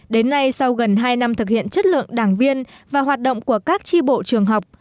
đến nay sau gần hai năm thực hiện chất lượng đảng viên và hoạt động của các tri bộ trường học